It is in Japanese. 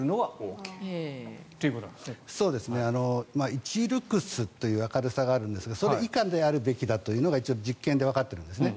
１ルクスという明るさがあるんですがそれ以下であるべきだというのが実験でわかってるんですね。